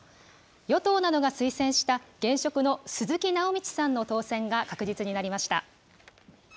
与党などが推薦した現職の鈴木直道さんの当選が確実になりました。